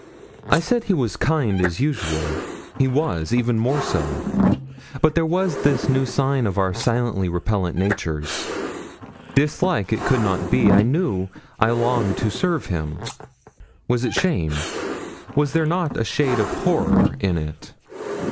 I said he was kind as usual. He was even more so. But there was this new sign of our silently repellant natures. Dislike it could not be. He knew I longed to serve him. Was it shame? Was there not a shade of horror in it?